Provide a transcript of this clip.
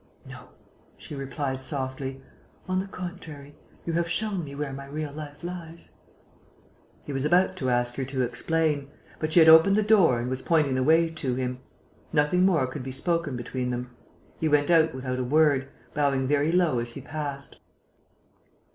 "No," she replied, softly. "On the contrary, you have shown me where my real life lies." He was about to ask her to explain. But she had opened the door and was pointing the way to him. Nothing more could be spoken between them. He went out without a word, bowing very low as he passed.